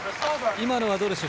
今のはどうでしょう？